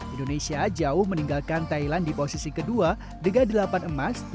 indonesia jauh meninggalkan thailand di posisi kedua dengan delapan emas